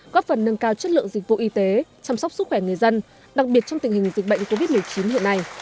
góp phần nâng cao chất lượng dịch vụ y tế chăm sóc sức khỏe người dân đặc biệt trong tình hình dịch bệnh covid một mươi chín hiện nay